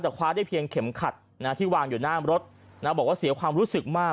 แต่คว้าได้เพียงเข็มขัดที่วางอยู่หน้ารถนะบอกว่าเสียความรู้สึกมาก